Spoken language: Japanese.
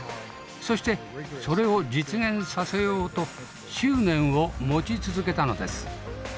そしてそれを実現させようと執念を持ち続けたのです。